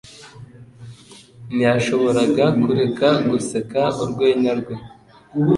Ntiyashoboraga kureka guseka urwenya rwe.